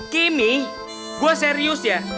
kimmy gue serius ya